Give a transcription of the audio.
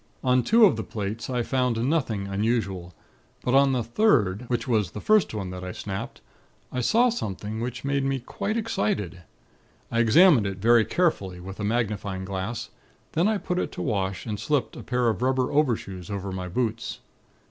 "On two of the plates, I found nothing unusual: but on the third, which was the first one that I snapped, I saw something that made me quite excited. I examined it very carefully with a magnifying glass; then I put it to wash, and slipped a pair of rubber overshoes over my boots.